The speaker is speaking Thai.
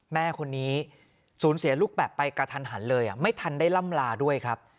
แม่คนนี้สูญเสียลูกแบบไปกระทันหันเลยไม่ทันได้ล่ำลาด้วยครับ